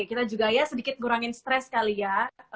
kita juga ya sedikit ngurangin stress kali ya